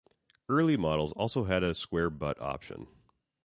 Early models also had a square-butt option.